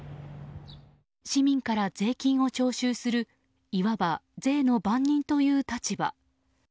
市民から税金を徴収するいわば、税の番人という立場。